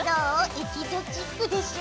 エキゾチックでしょ？